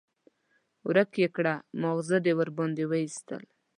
ورک يې کړه؛ ماغزه دې باندې واېستل.